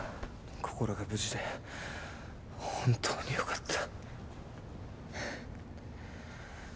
こころが無事で本当によかった。